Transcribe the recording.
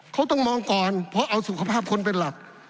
เขาต้องมองก่อนเพราะเอาสุขภาพคนเป็นหลัก